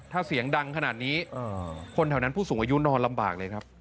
ถ้าเสียงดังขนาดนี้คนแถวนั้นผู้สูงอายุนอนลำบากเลยครับ